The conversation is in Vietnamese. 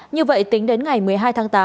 như vậy tính đến ngày một mươi hai tháng tám